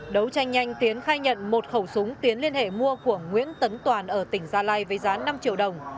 đấu tranh nhanh tiến khai nhận một khẩu súng tiến liên hệ mua của nguyễn tấn toàn ở tỉnh gia lai với giá năm triệu đồng